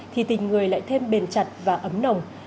thì tình người lại thêm bền chặt và ấm nồng